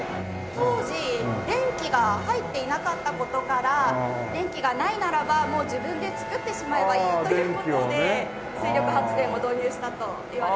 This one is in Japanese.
当時電気が入っていなかった事から電気がないならばもう自分で作ってしまえばいいという事で水力発電を導入したといわれており。